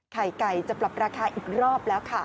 ไข่ไก่จะปรับราคาอีกรอบแล้วค่ะ